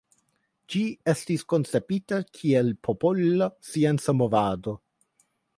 Ĝi estis konceptita kiel popola scienca movado.